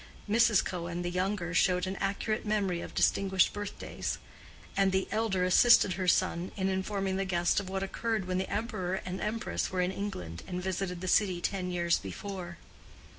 Mrs. Cohen the younger showed an accurate memory of distinguished birthdays; and the elder assisted her son in informing the guest of what occurred when the Emperor and Empress were in England and visited the city ten years before.